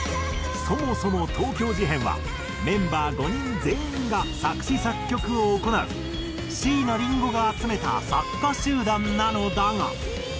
そもそも東京事変はメンバー５人全員が作詞作曲を行う椎名林檎が集めた作家集団なのだが。